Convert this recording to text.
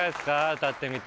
歌ってみて。